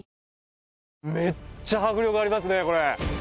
めっちゃ迫力ありますね